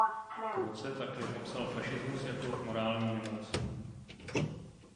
Croce také popsal fašismus jako „morální nemoc“.